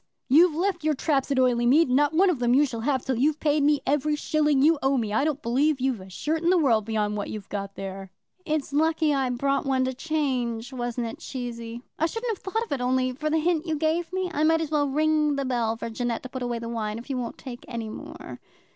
"You've left your traps at Oileymead, and not one of them you shall have till you've paid me every shilling you owe me. I don't believe you've a shirt in the world beyond what you've got there." "It's lucky I brought one in to change; wasn't it, Cheesy? I shouldn't have thought of it only for the hint you gave me. I might as well ring the bell for Jeannette to put away the wine, if you won't take any more."